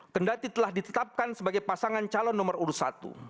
kendati telah ditetapkan sebagai pasangan calon nomor urut satu